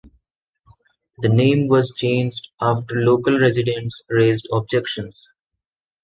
The name was changed after local residents raised objections.